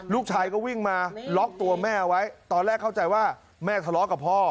ลูกชายก็วิ่งมาล็อกตัวแม่ไว้ตอนแรกเข้าใจว่าแม่ทะเลาะกับพ่อ